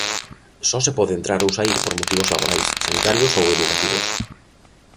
Só se pode entrar ou saír por motivos laborais, sanitarios ou educativos.